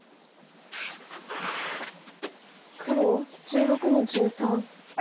黒１６の十三ツギ。